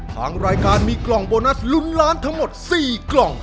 ทางรายการมีกล่องโบนัสลุ้นล้านทั้งหมด๔กล่อง